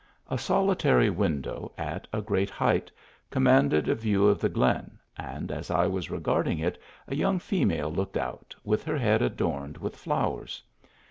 A solitary window, at a great height, commanded a view of the glen, and as I was regarding it a young female looked out, with her head adorned with flowers.